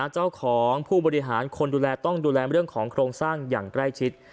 เจ้าของผู้บริหารคนดูแลต้องดูแลเรื่องของโครงสร้างอย่างใกล้ชิด